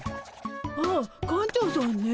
ああ館長さんね。